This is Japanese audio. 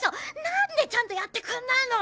何でちゃんとやってくんないの！？